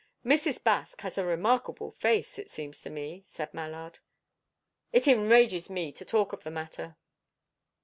"Mrs. Baske has a remarkable face, it seems to me," said Mallard. "It enrages me to talk of the matter."